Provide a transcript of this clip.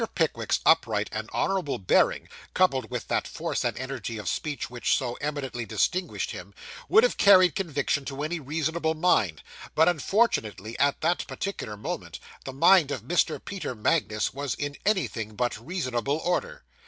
Pickwick's upright and honourable bearing, coupled with that force and energy of speech which so eminently distinguished him, would have carried conviction to any reasonable mind; but, unfortunately, at that particular moment, the mind of Mr. Peter Magnus was in anything but reasonable order.